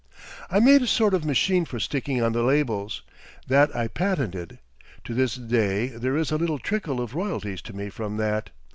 I made a sort of machine for sticking on the labels, that I patented; to this day there is a little trickle of royalties to me from that.